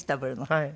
はい。